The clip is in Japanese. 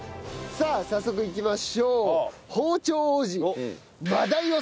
さあ早速いきましょう。